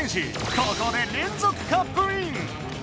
ここで連続カップイン！